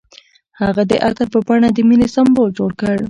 هغه د عطر په بڼه د مینې سمبول جوړ کړ.